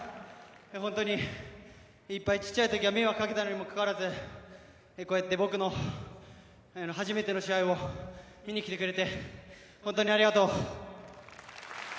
本当にいっぱい迷惑をかけたにもかかわらずこうやって僕の初めての試合を見に来てくれて本当にありがとう。